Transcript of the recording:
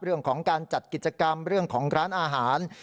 เรื่องของการจัดกิจกรรมเรื่องของร้านอาหาร